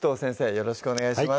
よろしくお願いします